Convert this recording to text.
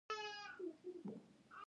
افغانستان په لعل باندې تکیه لري.